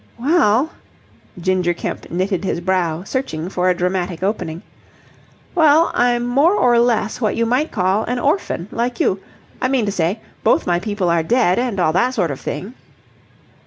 "Well..." Ginger Kemp knitted his brow, searching for a dramatic opening. "Well, I'm more or less what you might call an orphan, like you. I mean to say, both my people are dead and all that sort of thing."